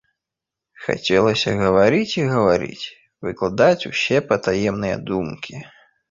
Хацелася гаварыць і гаварыць, выкладаць усе патаемныя думкі.